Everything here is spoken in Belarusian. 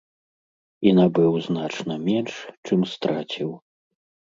І набыў значна менш, чым страціў.